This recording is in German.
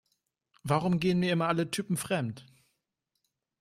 Warum gehen mir immer alle Typen fremd?